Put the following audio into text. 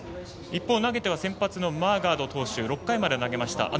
一方、投げては先発のマーガード投手６回まで投げました。